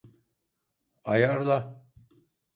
Ayarla.